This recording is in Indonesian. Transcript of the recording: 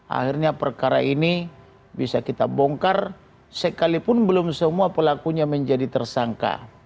akhirnya perkara ini bisa kita bongkar sekalipun belum semua pelakunya menjadi tersangka